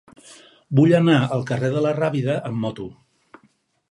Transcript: Vull anar al carrer de la Rábida amb moto.